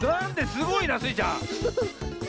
すごいなスイちゃん。